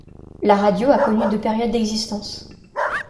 La radio a connu deux périodes d’existence.